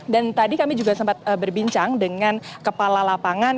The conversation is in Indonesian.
dan tadi kami juga sempat berbincang dengan kepala lapangan